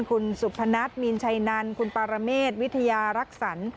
คุณสุพนัทมีนชัยนันคุณปารเมษวิทยารักษร